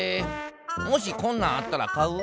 もしこんなんあったら買う？